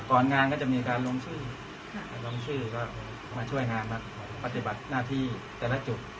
งานก็จะมีการลงชื่อลงชื่อก็มาช่วยงานมาปฏิบัติหน้าที่แต่ละจุด